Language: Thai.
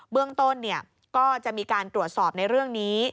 เบื้องต้นก็จะมีการตรวจสอบในเรื่องนี้